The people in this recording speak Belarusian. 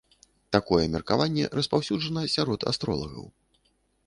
Такое меркаванне распаўсюджана сярод астролагаў.